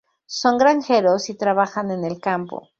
Son granjeros y trabajan en el campo.